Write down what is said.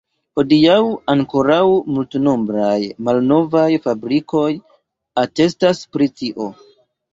Hodiaŭ ankoraŭ multnombraj malnovaj fabrikoj atestas pri tio.